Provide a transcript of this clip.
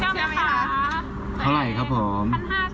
จ้าไหมคะเท่าไหร่ครับผม